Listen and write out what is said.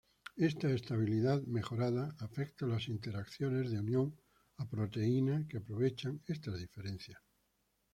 Esta estabilidad mejorada afecta las interacciones de unión a proteína que aprovechan estas diferencias.